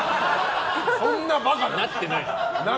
そんなバカな！